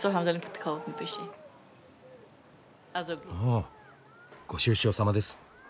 あご愁傷さまです。